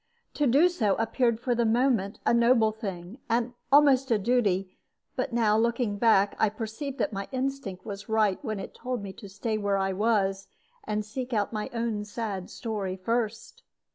To do so appeared for the moment a noble thing, and almost a duty; but now, looking back, I perceive that my instinct was right when it told me to stay where I was, and see out my own sad story first.